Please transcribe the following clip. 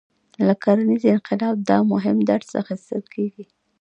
له کرنیز انقلاب دا مهم درس اخیستل کېږي.